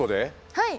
はい！